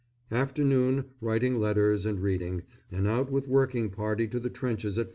Afternoon, writing letters and reading, and out with working party to the trenches at 4.